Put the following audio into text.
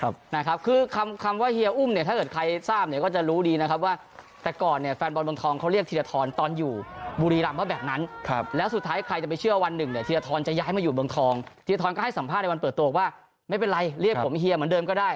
เพื่อวันหนึ่งเนี่ยเฮียทรอนจะย้ายมาอยู่เมืองทองเฮียทรอนก็ให้สัมภาษณ์ในวันเปิดโต๊ะว่าไม่เป็นไรเรียกผมเฮียเหมือนเดิมก็ได้